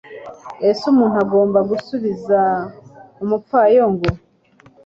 ese umuntu agomba gusubiza umupfayongo